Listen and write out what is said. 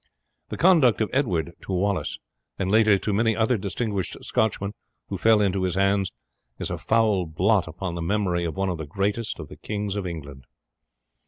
The conduct of Edward to Wallace, and later to many other distinguished Scotchmen who fell into his hands, is a foul blot upon the memory of one of the greatest of the kings of England.